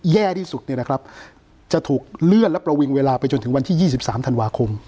แย่ที่สุดเนี้ยนะครับจะถูกเลื่อนและประวิงเวลาไปจนถึงวันที่ยี่สิบสามธันวาคม